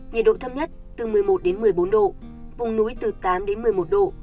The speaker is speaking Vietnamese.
nhiệt độ thâm nhất từ một mươi một một mươi bốn độ vùng núi từ tám một mươi một độ